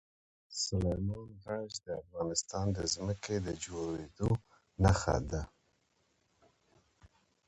سلیمان غر د افغانستان د ځمکې د جوړښت نښه ده.